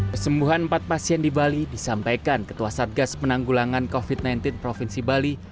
kesembuhan empat pasien di bali disampaikan ketua satgas penanggulangan covid sembilan belas provinsi bali